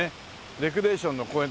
レクリエーションの公園。